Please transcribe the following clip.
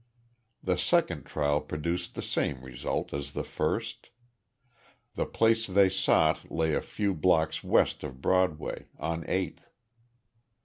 The second trial produced the same result as the first the place they sought lay a few blocks west of Broadway, on Eighth.